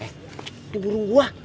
eh itu burung gua